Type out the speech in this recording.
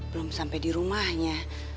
belum sampe di rumahnya